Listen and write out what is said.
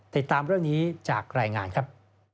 ติดตามเรื่องนี้จากรายงานครับ